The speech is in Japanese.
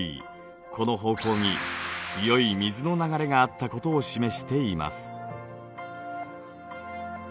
この方向に強い水の流れがあったことを示しています。